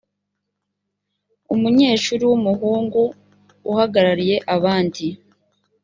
umunyeshuri w umuhungu uhagarariye abandi